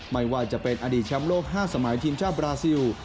ไม่ว่าจะเป็นอดีตแชมป์โลก๕สมัยทีมชาติบราซิล